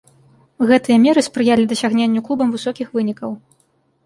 Гэтыя меры спрыялі дасягненню клубам высокіх вынікаў.